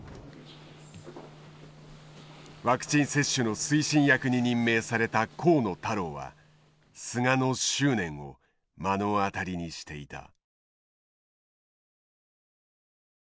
ワクチン接種の推進役に任命された河野太郎は菅の執念を目の当たりにしていた。